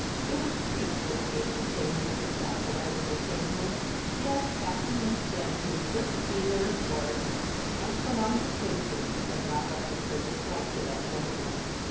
It was a treat to escape the sameness of that polite entertainment. Yes, Captain Winstanley was to be there of course, and prolonged acquaintance had not lessened her dislike to that gentleman.